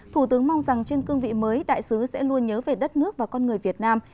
thủ tướng mong rằng trên cương vị mới đại sứ sẽ luôn nhớ về đất nước và con người việt nam